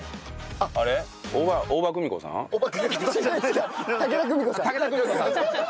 あっ武田久美子さん。